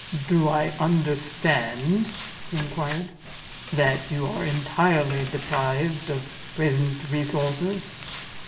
"Do I understand," he inquired, "that you are entirely deprived of present resources?"